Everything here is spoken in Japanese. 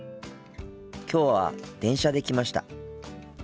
今日は電車で来ました。